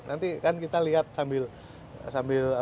nanti kan kita lihat sambil menikmati sidang bapaknya